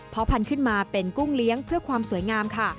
เพราะพันธุ์ขึ้นมาเป็นกุ้งเลี้ยงเพื่อความสวยงามค่ะ